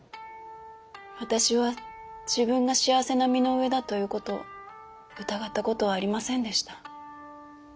私は自分が幸せな身の上だという事を疑った事はありませんでした。